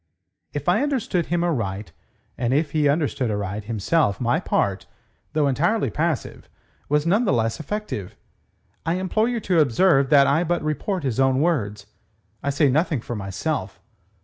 "If I understood him aright, if he understood aright, himself, my part, though entirely passive, was none the less effective. I implore you to observe that I but report his own words. I say nothing for myself."